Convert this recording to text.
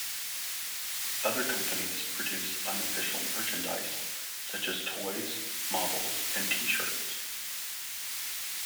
Other companies produce unofficial merchandise, such as toys, models and T-shirts.